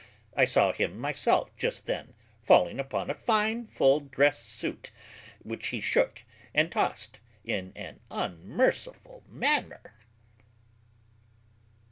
I saw him myself just then falling upon a fine full dress suit, which he shook and tossed in an unmerciful manner.